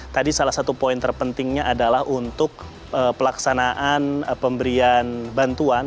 tadi salah satu poin terpentingnya adalah untuk pelaksanaan pemberian bantuan